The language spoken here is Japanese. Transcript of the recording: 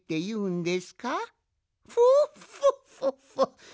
フォッフォッフォッフォッ。